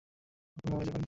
তারপর মহলে যাবেন।